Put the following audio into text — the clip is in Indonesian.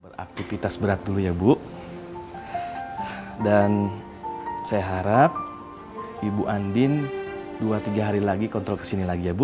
beraktivitas berat dulu ya bu dan saya harap ibu andin dua tiga hari lagi kontrol kesini lagi ya bu